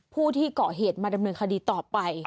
ผู้ที่เกาะเหตุมาดำเนินคดีต่อไป